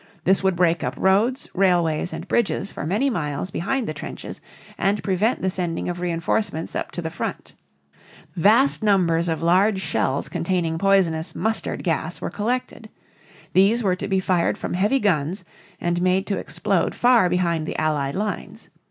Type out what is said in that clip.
This would break up roads, railways, and bridges for many miles behind the trenches and prevent the sending of reinforcements up to the front. Vast numbers of large shells containing poisonous "mustard" gas were collected. These were to be fired from heavy guns and made to explode far behind the Allied lines.